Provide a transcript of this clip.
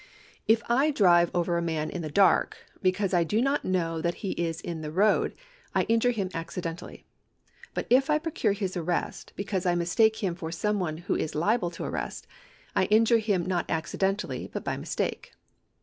If I drive over a man in the dark because I do not know that he is in the road, I injure him accidentally ; but if I procure his arrest, because I mis take him for some one who is liable to arrest, I injure him not accidentally but by mistake.